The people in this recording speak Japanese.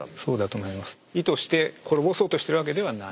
意図して滅ぼそうとしてるわけではない。